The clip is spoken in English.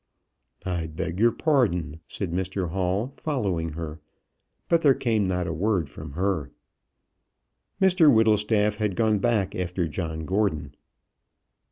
"I beg your pardon," said Mr Hall, following her; but there came not a word from her. Mr Whittlestaff had gone back after John Gordon.